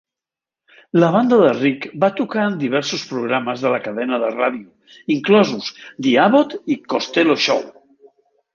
La banda de Rich va tocar en diversos programes de la cadena de ràdio, inclosos The Abbott i Costello Show.